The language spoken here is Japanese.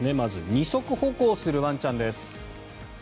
二足歩行するワンちゃんです。